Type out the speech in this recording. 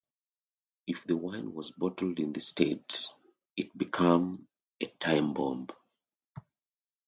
If the wine was bottled in this state, it became a time bomb.